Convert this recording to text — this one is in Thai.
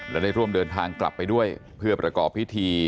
และได้ร่วมเดินทางกลับไปด้วยเพื่อประกอบพิธี